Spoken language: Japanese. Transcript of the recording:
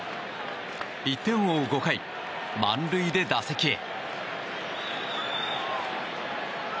１点を追う５回、満塁で打席へ。